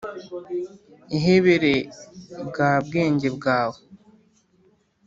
ihebere bwa bwenge bwawe